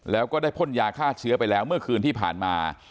แล้วก็ได้พ่นยาฆ่าเชื้อไปแล้วเมื่อคืนที่ผ่านมา